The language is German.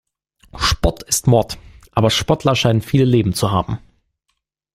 Sport ist Mord, aber Sportler scheinen viele Leben zu haben.